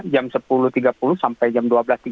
jam sepuluh tiga puluh sampai jam dua belas tiga puluh